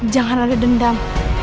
jangan ada dendam